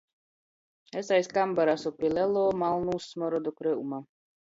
Es aiz kambara asu pi leluo malnūs smorodu kryuma.